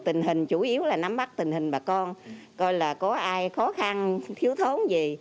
tình hình chủ yếu là nắm mắt tình hình bà con coi là có ai khó khăn thiếu thốn gì